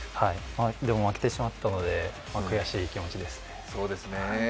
でも、負けてしまったので悔しい気持ちです。